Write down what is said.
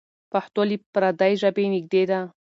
پښتو له پردۍ ژبې نږدې ده.